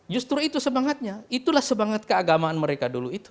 justru itu semangatnya itulah semangat keagamaan mereka dulu itu